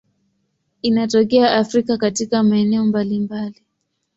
Inatokea Afrika katika maeneo mbalimbali.